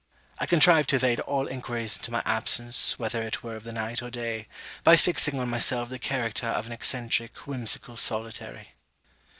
I contrived to evade all enquiries into my absence, whether it were of the night or day, by fixing on myself the character of an eccentric whimsical solitary.